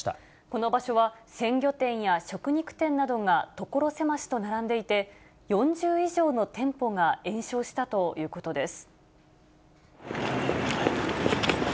この場所は、鮮魚店や食肉店などが所狭しと並んでいて、４０以上の店舗が延焼したということです。